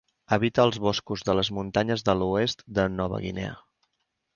Habita els boscos de les muntanyes de l'oest de Nova Guinea.